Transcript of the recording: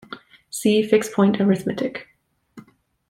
See fixed-point arithmetic.